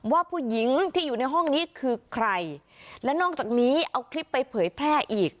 ว่าผู้หญิงที่อยู่ในห้องนี้คือใครและนอกจากนี้เอาคลิปไปเผยแพร่อีก